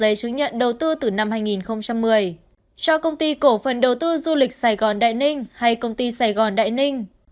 giấy chứng nhận đầu tư từ năm hai nghìn một mươi cho công ty cổ phần đầu tư du lịch sài gòn đại ninh hay công ty sài gòn đại ninh